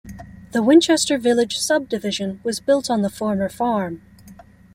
The Winchester Village subdivision was built on the former farm.